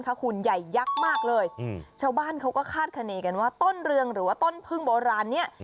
คุณใหญ่ยักษ์มากเลยชาวบ้านเขาก็คาดคณีกันว่าต้นเรืองหรือว่าต้นพึ่งโบราณเนี้ย